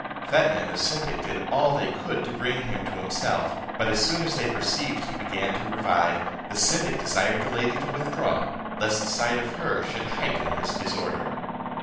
Fetnah and the syndic did all they could to bring him to himself; but as soon as they perceived he began to revive, the syndic desired the lady to withdraw, lest the sight of her should heighten his disorder.